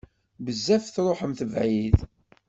Bezzaf truḥemt bɛid.